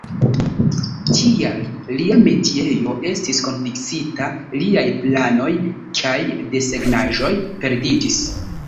Tial lia metiejo estis konfiskita; liaj planoj kaj desegnaĵoj perdiĝis.